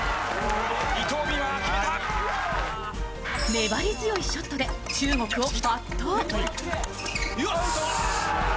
粘り強いショットで中国を圧倒。